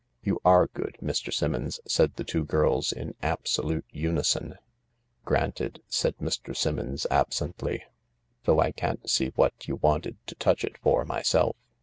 " You are good, Mr. Simmons," said the two girls in absolute unison. "Granted," said Mr. Simmons absently. "Though I can't see what you wanted to touch it for, myself.